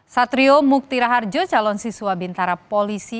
satrio muktiraharjo calon siswa bintara polisi